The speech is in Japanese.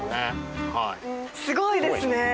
はいすごいですね